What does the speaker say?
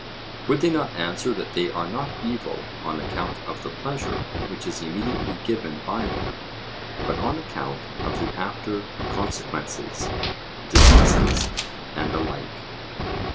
Would they not answer that they are not evil on account of the pleasure which is immediately given by them, but on account of the after consequences diseases and the like?